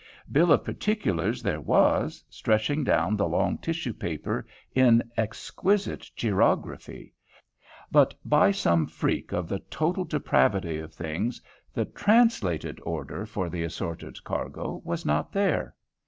Bill of particulars there was, stretching down the long tissue paper in exquisite chirography. But by some freak of the "total depravity of things," the translated order for the assorted cargo was not there.